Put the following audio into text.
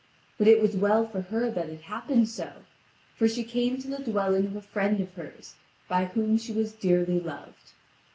But it was well for her that it happened so; for she came to the dwelling of a friend of hers, by whom she was dearly loved.